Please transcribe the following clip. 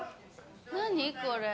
何これ。